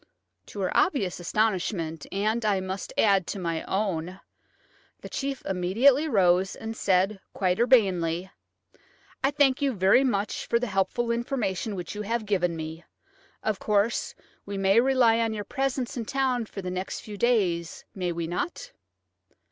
To her obvious astonishment–and, I must add, to my own–the chief immediately rose and said, quite urbanely: "I thank you very much for the helpful information which you have given me. Of course, we may rely on your presence in town for the next few days, may we not?"